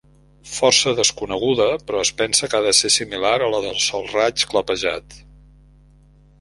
Força desconeguda, però es pensa que ha de ser similar a la del solraig clapejat.